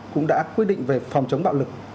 cũng đã quy định về phòng chống bạo lực